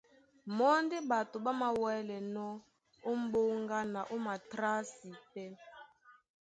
Mɔ́ ndé ɓato ɓá māwɛ́lɛnɔ́ ó m̀ɓóŋga na ó matrǎsi. Pɛ́.